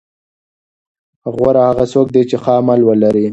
غوره هغه څوک دی چې ښه عمل ولري.